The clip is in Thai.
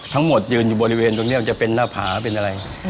ยืนอยู่บริเวณตรงนี้จะเป็นหน้าผาเป็นอะไร